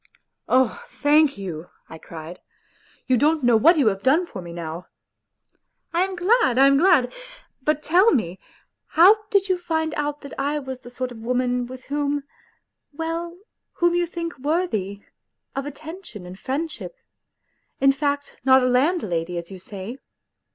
" Oh, thank you," I cried; " you don't know what you have done for me now !"" I am glad ! I am glad ! But tell me how did you find out that I was the sort of woman with whom ... well, whom you think worthy ... of attention and friendship ... in fact, not a landlady as you say